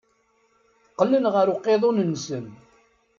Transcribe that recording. Qqlen ɣer uqiḍun-nsen.